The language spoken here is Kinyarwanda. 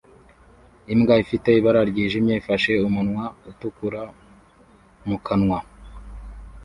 Imbwa ifite ibara ryijimye ifashe umunwa utukura mu kanwa